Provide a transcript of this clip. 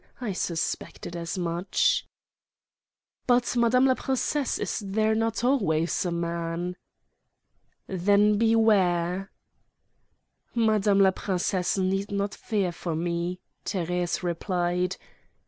I suspected as much." "But, madame la princesse, is there not always a man?" "Then beware!" "Madame la princesse need not fear for me," Thérèse replied.